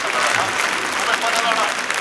زما نړۍ! ستا له بېلتون سره لا نه یم بلد